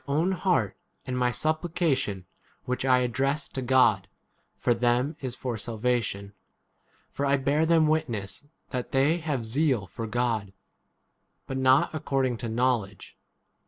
own heart and my supplication which [I address] to God for 2 them 1 is for salvation. For I bear them witness that they have zeal for God, but not according to 8 knowledge.